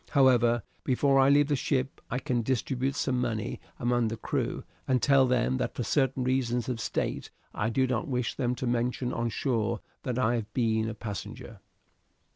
However, before I leave the ship I can distribute some money among the crew, and tell them that for certain reasons of state I do not wish them to mention on shore that I have been a passenger."